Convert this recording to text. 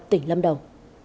tỉnh lâm đồng